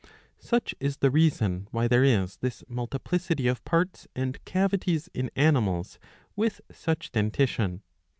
Such is the reason why there is this multiplicity of parts and cavities in animals with such dentition.